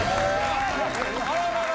あららら。